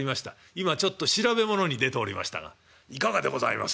今ちょっと調べ物に出ておりましたがいかがでございます？